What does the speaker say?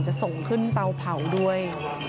จะส่งขึ้นเตาเผาด้วย